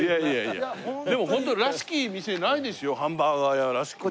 でもホントらしき店ないですよハンバーガー屋らしき店は。